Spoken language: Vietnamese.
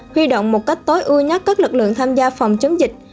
huy động một cách tối ưu nhất các lực lượng tham gia phòng chống dịch